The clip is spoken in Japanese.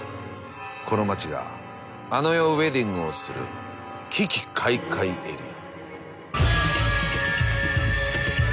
この町があの世ウエディングをする奇々怪々エリア。